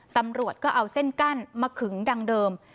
ตำรวจก็เอาเส้นกั้นมาขึงดังเดิม